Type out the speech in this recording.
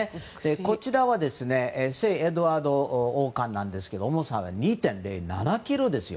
こちらは聖エドワード王冠なんですけど重さが２．０７ｋｇですよ。